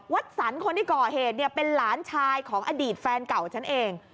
สรรคนที่ก่อเหตุเนี่ยเป็นหลานชายของอดีตแฟนเก่าฉันเอง